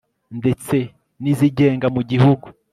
ndetse n izigenga mu gihugu